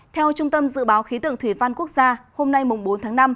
theo trung tâm dự báo khí tượng thủy văn quốc gia hôm nay bốn tháng năm